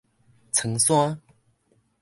倉山